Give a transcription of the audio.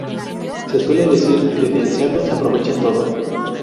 Se suele decir que del cerdo se aprovecha todo.